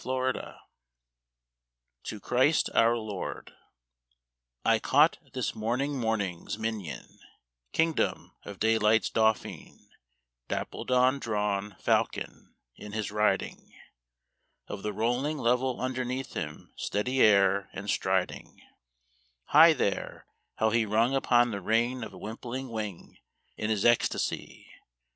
12 The Windhover: To Christ our Lord I CAUGHT this morning morning's minion, king dom of daylight's dauphin, dapple dawn drawn Fal con, in his riding Of the rolling level underneath him steady air, and striding High there, how he rung upon the rein of a wimpling wing In his ecstacy!